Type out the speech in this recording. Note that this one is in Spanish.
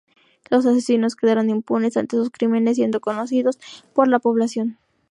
Los asesinos quedaron impunes ante sus crímenes siendo conocidos por la población.